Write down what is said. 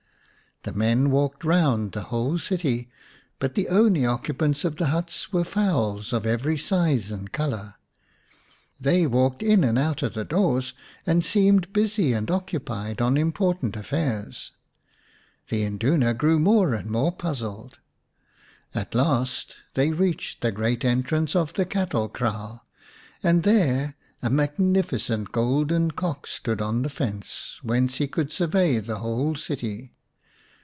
The men walked round the whole city, but the only occupants of the huts were fowls of every size and colour. They walked in and out of the doors, and seemed busy and occupied on important affairs. The Induna grew more and more puzzled. At last they reached the great entrance of the cattle kraal, and there a magnificent golden Cock stood on the fence, whence he could survey the whole city.